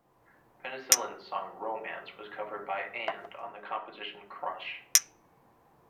Penicillin's song "Romance" was covered by And on the compilation "Crush!